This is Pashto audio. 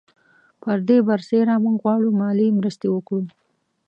پر دې برسېره موږ غواړو مالي مرستې وکړو.